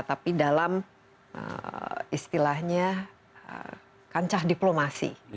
tapi dalam istilahnya kancah diplomasi